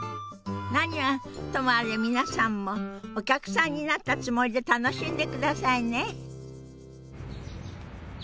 何はともあれ皆さんもお客さんになったつもりで楽しんでくださいね。